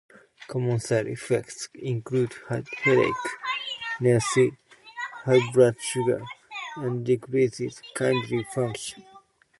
Common side effects include headache, nausea, high blood sugar, and decreased kidney function.